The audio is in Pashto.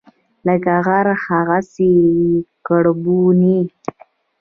لکه غر، هغسي یې کربوڼی